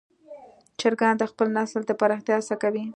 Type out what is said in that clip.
چرګان د خپل نسل د پراختیا هڅه کوي.